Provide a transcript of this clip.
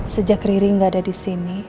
sejak riri nggak ada di sini